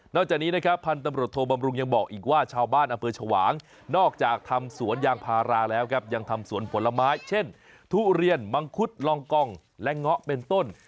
จากนี้นะครับพันธุ์ตำรวจโทบำรุงยังบอกอีกว่าชาวบ้านอำเภอชวางนอกจากทำสวนยางพาราแล้วครับยังทำสวนผลไม้เช่นทุเรียนมังคุดลองกองและเงาะเป็นต้น